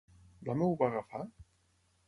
L'home ho va agafar?